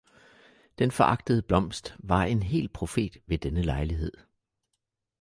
Den foragtede blomst var en hel profet ved denne lejlighed.